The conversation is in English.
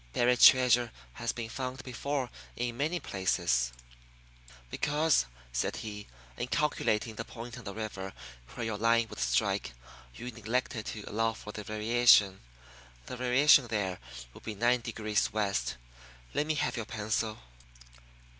"Buried treasure has been found before in many places." "Because," said he, "in calculating the point on the river where your line would strike you neglected to allow for the variation. The variation there would be nine degrees west. Let me have your pencil."